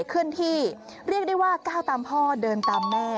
ขึ้นที่เรียกได้ว่าก้าวตามพ่อเดินตามแม่